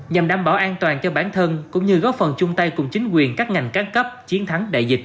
nhằm đảm bảo an toàn cho bản thân cũng như góp phần chung tay cùng chính quyền các ngành các cấp chiến thắng đại dịch